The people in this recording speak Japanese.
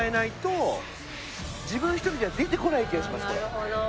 なるほど。